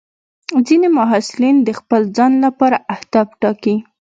ځینې محصلین د خپل ځان لپاره اهداف ټاکي.